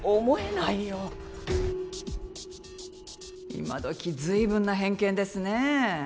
今どき随分な偏見ですねえ。